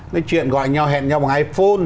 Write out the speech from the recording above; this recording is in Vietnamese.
nói chuyện gọi nhau hẹn nhau bằng iphone